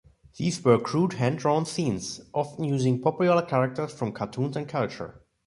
These were crude hand drawn scenes often using popular characters from cartoons and culture.